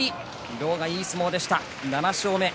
狼雅、いい相撲でした、７勝目。